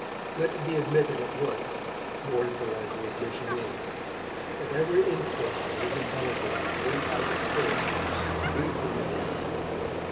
Let it be admitted at once, mournful as the admission is, that every instinct in his intelligence went out at first to greet the new light.